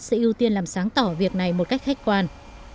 đồng kết sẽ ưu tiên làm sáng tỏ việc này một cách khách quan